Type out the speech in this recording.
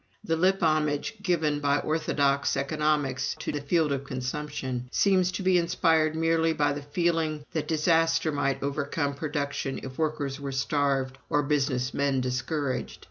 The lip homage given by orthodox economics to the field of consumption seems to be inspired merely by the feeling that disaster might overcome production if workers were starved or business men discouraged.